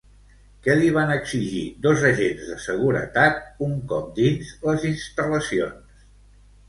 Què li van exigir dos agents de seguretat un cop dins les instal·lacions?